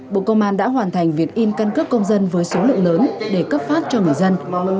bộ công an đã hoàn thành việc in căn cước công dân với số lượng lớn để cấp phát cho người dân